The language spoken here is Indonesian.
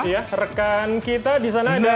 iya rekan kita di sana ada andrew